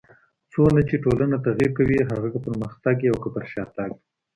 څونه چي ټولنه تغير کوي؛ هغه که پرمختګ يي او که پر شاتګ.